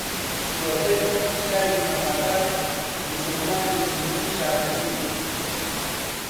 زۆربەی خەڵکی شاری مەھاباد موسڵمان و سوننی شافعیین